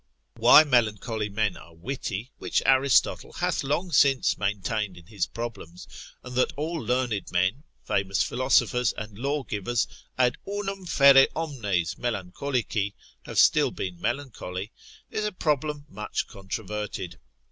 Why melancholy men are witty, which Aristotle hath long since maintained in his problems; and that all learned men, famous philosophers, and lawgivers, ad unum fere omnes melancholici, have still been melancholy, is a problem much controverted.